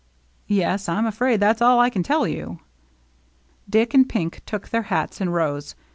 "Yes. I'm afraid that's all I can tell you." Dick and Pink took their hats and rose.